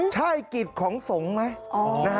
ใช่กิจของสงฆ์ไหม